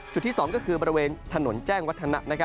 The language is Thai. จุดที่๒ก็คือบริเวณถนนแจ้งวัฒนะ